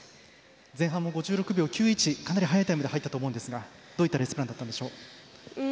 前半も５６秒９１とかなり早いタイムで入ったと思うんですがどういったレースプランだったんでしょう？